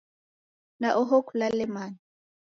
Na oho kulale mana.